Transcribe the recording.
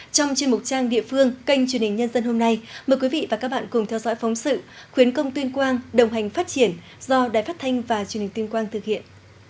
trong chuyên mục trang địa phương kênh truyền hình nhân dân hôm nay mời quý vị và các bạn cùng theo dõi phóng sự khuyến công tuyên quang đồng hành phát triển do đài phát thanh và truyền hình tuyên quang thực hiện